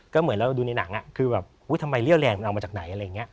ก็เหมือนเราดูในหนังคือแบบทำไมเรี่ยวแรงมันเอามาจากไหนอะไรอย่างนี้